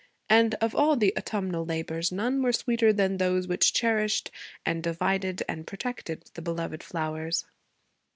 And of all the autumnal labors none were sweeter than those which cherished and divided and protected the beloved flowers.